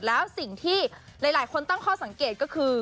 แล้วสิ่งที่หลายคนตั้งข้อสังเกตก็คือ